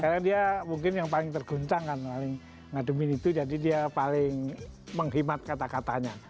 karena dia mungkin yang paling terguncang kan paling ngadumin itu jadi dia paling menghemat kata katanya